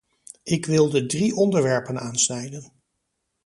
Ik wilde drie onderwerpen aansnijden.